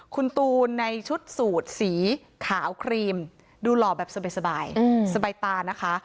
คุณตูนในชุดสูตรสีขาวครีมดูหล่อแบบสบายสบายตานะคะ